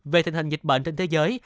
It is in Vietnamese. về tình hình dịch bệnh trên thế giới